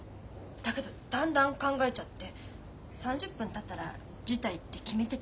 だけどだんだん考えちゃって３０分たったら辞退って決めてた。